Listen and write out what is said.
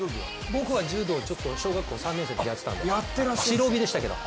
僕は柔道ちょっと、中学３年生の時やってたので、白帯ですけど。